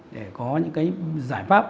để có những giải pháp